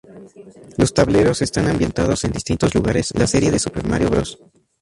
Los tableros están ambientados en distintos lugares la serie de Super Mario Bros.